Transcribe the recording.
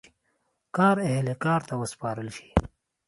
کار اهل کار ته وسپارل شي.